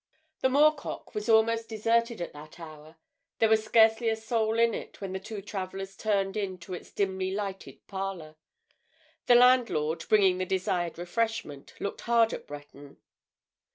The "Moor Cock" was almost deserted at that hour: there was scarcely a soul in it when the two travellers turned in to its dimly lighted parlour. The landlord, bringing the desired refreshment, looked hard at Breton.